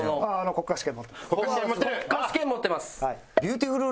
国家試験持ってます。